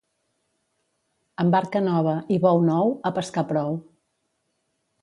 Amb barca nova i bou nou, a pescar prou.